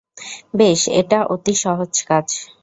বেশ, এটা অতি সহজ কাজ।